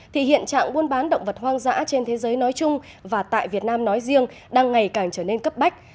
thì hiện trạng buôn bán động vật hoang dã trên thế giới nói chung và tại việt nam nói riêng đang ngày càng trở nên cấp bách